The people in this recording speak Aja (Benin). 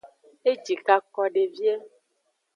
Ejikako de vie.